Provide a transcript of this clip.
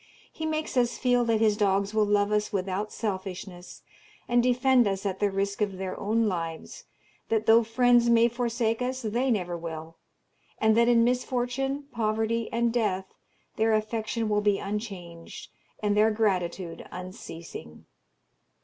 He makes us feel that his dogs will love us without selfishness, and defend us at the risk of their own lives that though friends may forsake us, they never will and that in misfortune, poverty, and death, their affection will be unchanged, and their gratitude unceasing.